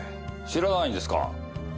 知らないんですか？